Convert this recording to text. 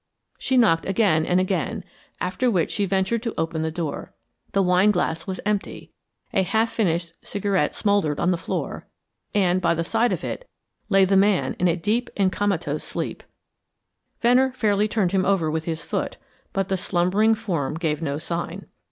She knocked again and again, after which she ventured to open the door. The wine glass was empty, a half finished cigarette smouldered on the floor, and, by the side of it, lay the man in a deep and comatose sleep. Venner fairly turned him over with his foot, but the slumbering form gave no sign.